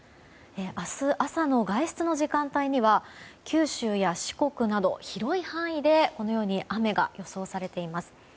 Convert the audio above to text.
明日朝の外出の時間帯には九州や四国など広い範囲で雨が予想されています。